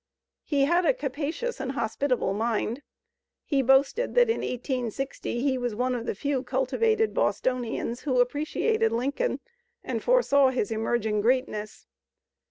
He had a capacious and hospitable mind. He boasted that in 1860 he was one of the few cultivated Bostonians who appreciated Lincoln and foresaw his emerging greatness.